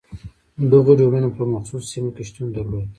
دغو ډولونه په مخصوصو سیمو کې شتون درلود.